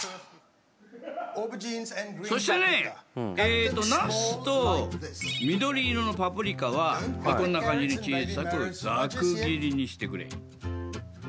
そしてねナスと緑色のパプリカはこんな感じに小さくざく切りにしてくれ。